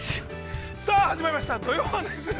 さあ始まりました「土曜はナニする！？」。